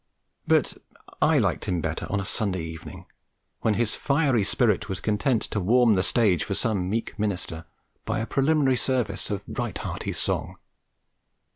But I liked him better on a Sunday evening, when his fiery spirit was content to 'warm the stage' for some meek minister by a preliminary service of right hearty song.